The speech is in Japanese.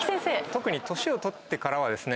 特に年を取ってからはですね